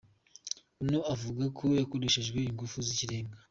Onu ivuga ko hakoreshejwe inguvu z'ikirenga.